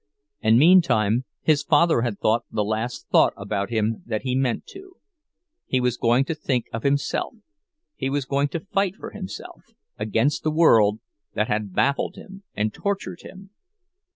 And meantime his father had thought the last thought about him that he meant to; he was going to think of himself, he was going to fight for himself, against the world that had baffled him and tortured him!